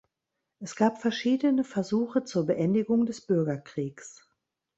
Es gab verschiedene Versuche zur Beendigung des Bürgerkriegs.